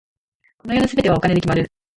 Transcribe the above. この世の全てはお金で決まる。